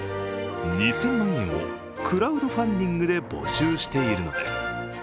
２０００万円をクラウドファンディングで募集しているのです。